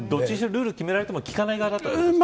ルールを決められても聞かない側だったんですか。